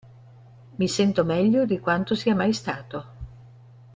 Mi sento meglio di quanto sia mai stato".